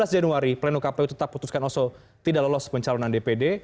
dua belas januari pleno kpu tetap putuskan oso tidak lolos pencalonan dpd